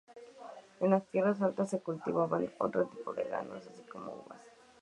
En las tierras altas se cultivan otro tipo de granos, así como uvas.